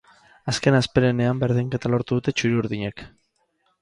Azken hasperenean berdinketa lortu dute txuri-urdinek.